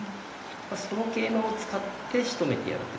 その桂馬を使ってしとめてやろうという。